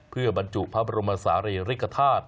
เพื่อบรรจุพระบรมศาลีริกฐาตุ